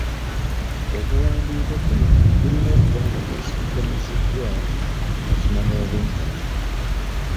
Okuwandiika kuno kulina okuba nga kwesigamiziddwa ku mazima n’obwenkanya.